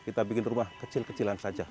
kita bikin rumah kecil kecilan saja